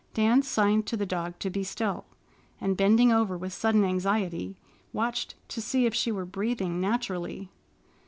Dan signed to the dog to be still, and, bending over with sudden anxiety, watched to see if she were breathing naturally.